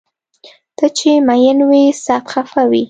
ته چې مین وي سخت خفه وي